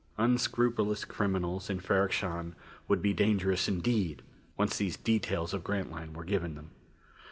Unscrupulous criminals in Ferrok Shahn would be dangerous indeed, once these details of Grantline were given them.